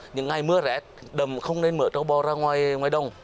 những ngày mưa rét đậm không nên mở châu bò ra ngoài đông